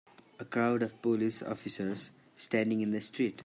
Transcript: A crowd of police officers standing in the street.